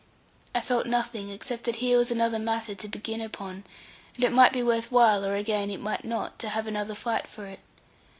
I felt nothing except that here was another matter to begin upon; and it might be worth while, or again it might not, to have another fight for it.